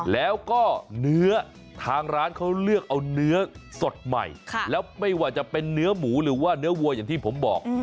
แล้วก็เนื้อทางร้านเขาเลือกเอาเนื้อสดใหม่แล้วไม่ว่าจะเป็นเนื้อหมูหรือว่าเนื้อวัวอย่างที่ผมบอก